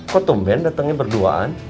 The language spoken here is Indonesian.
kok tumben datangnya berduaan